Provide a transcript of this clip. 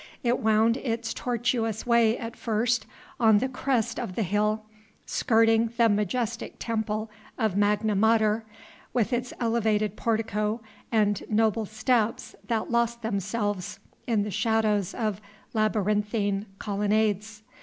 It wound its tortuous way at first on the crest of the hill, skirting the majestic temple of Magna Mater with its elevated portico and noble steps that lost themselves in the shadows of labyrinthine colonnades.